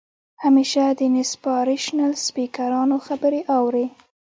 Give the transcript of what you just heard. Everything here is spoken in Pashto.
همېشه د انسپارېشنل سپيکرانو خبرې اورئ